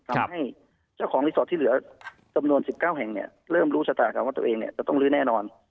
ทำให้เจ้าของธุรกิจหลายส่วนที่เหลือสำนวน๑๙แห่งเนี่ยเริ่มรู้ชะตาการว่าตัวเองจะต้องลื้อแน่นอน